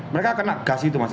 mereka kena gas itu mas